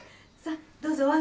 さあどうぞ。